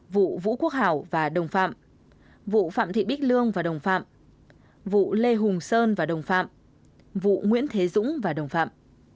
vũ quốc hảo và đồng phạm vụ phạm thị bích lương và đồng phạm vụ lê hùng sơn và đồng phạm vụ nguyễn thế dũng và đồng phạm